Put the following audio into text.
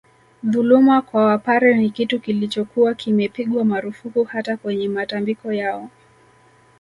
Dhuluma kwa Wapare ni kitu kilichokuwa kimepigwa marufuku hata kwenye matambiko yao